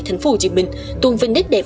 thành phố hồ chí minh tuôn vinh nét đẹp